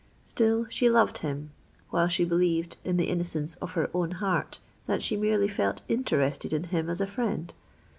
Still she loved him—while she believed, in the innocence of her own heart, that she merely felt interested in him as a friend.